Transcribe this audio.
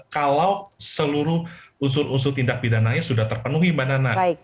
kalau seluruh unsur unsur tindak pidananya sudah terpenuhi mbak nana